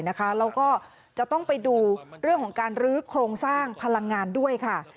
แล้วก็จะต้องไปดูเรื่องของการรื้อโครงสร้างพลังงานด้วยค่ะ